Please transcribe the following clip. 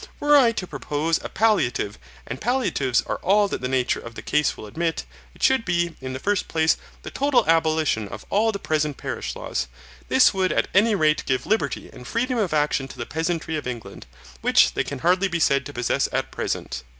Were I to propose a palliative, and palliatives are all that the nature of the case will admit, it should be, in the first place, the total abolition of all the present parish laws. This would at any rate give liberty and freedom of action to the peasantry of England, which they can hardly be said to possess at present.